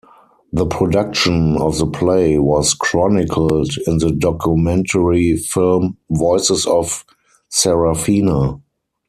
The production of the play was chronicled in the documentary film "Voices of Sarafina!".